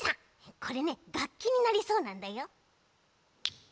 これねがっきになりそうなんだよ。